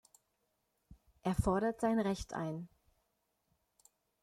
Er fordert sein Recht ein.